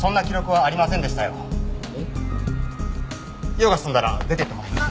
用が済んだら出てってもらえます？